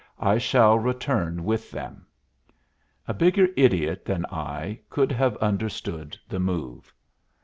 I shall return with them." A bigger idiot than I could have understood the move.